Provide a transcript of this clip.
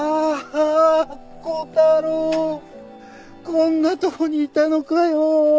こんなとこにいたのかよ。